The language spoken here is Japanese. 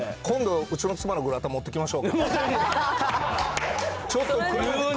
今度うちの妻のグラタン、持ってきましょうか？